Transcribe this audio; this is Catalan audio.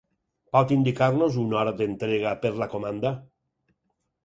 Pot indicar-nos una hora d'entrega per la comanda?